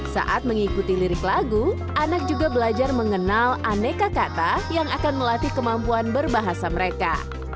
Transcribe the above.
saat mengikuti lirik lagu anak juga belajar mengenal aneka kata yang akan melatih kemampuan berbahasa mereka